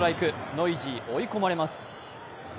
ノイジー、追い込まれます。